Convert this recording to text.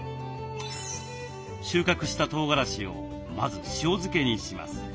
収穫したとうがらしをまず塩漬けにします。